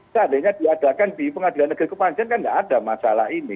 seandainya diadakan di pengadilan negeri kepanjen kan tidak ada masalah ini